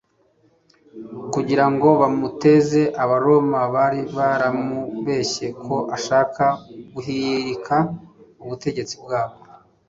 Kugira ngo bamuteze Abaroma bari baramubeshye ko ashaka Guhirika ubutegetsi bwabo.